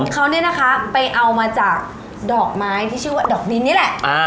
เขาเอามาจากดอกไม้ที่ชื่อว่าดอกดินนี่แหละ